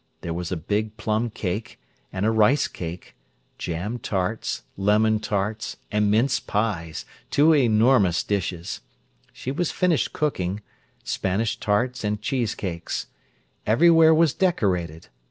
There was a big plum cake, and a rice cake, jam tarts, lemon tarts, and mince pies—two enormous dishes. She was finishing cooking—Spanish tarts and cheese cakes. Everywhere was decorated.